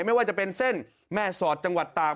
ไม่ว่าจะเป็นเส้นแม่สอดจังหวัดตาก